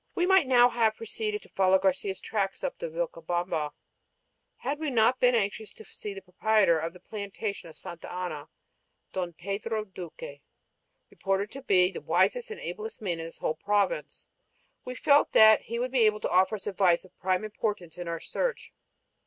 We might now have proceeded to follow Garcia's tracks up the Vilcabamba had we not been anxious to see the proprietor of the plantation of Santa Ana, Don Pedro Duque, reputed to be the wisest and ablest man in this whole province. We felt he would be able to offer us advice of prime importance in our search.